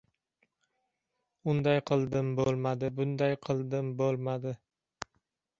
Unday qildim bo‘lmadi, bunday qildim, bo‘lmadi.